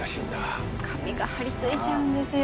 森川）紙が張り付いちゃうんですよ。